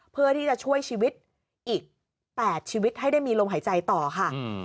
เพื่อที่จะช่วยชีวิตอีก๘ชีวิตให้ได้มีลมหายใจต่อค่ะ